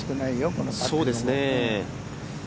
このパッティングも。